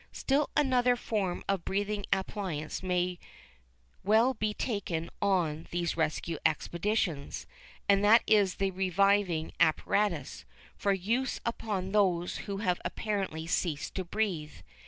Still another form of breathing appliance may well be taken on these rescue expeditions, and that is the reviving apparatus, for use upon those who have apparently ceased to breathe.